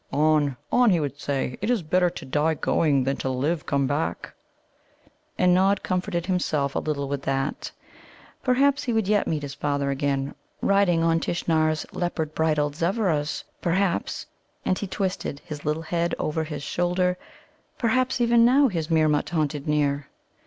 'On, on,' he would say. 'It is better to die, going, than to live, come back.'" And Nod comforted himself a little with that. Perhaps he would yet meet his father again, riding on Tishnar's leopard bridled Zevveras; perhaps and he twisted his little head over his shoulder perhaps even now his Meermut haunted near.